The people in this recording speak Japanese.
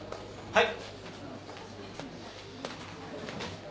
はい。